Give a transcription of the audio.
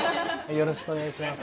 よろしくお願いします。